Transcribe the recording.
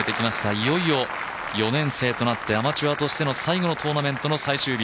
いよいよ４年生となってアマチュアとしての最後のトーナメントの最終日。